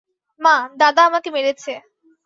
মা, দাদা আমাকে মেরেছে।